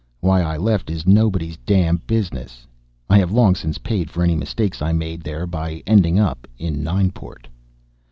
Why I left is nobody's damn business. I have long since paid for any mistakes I made there by ending up in Nineport.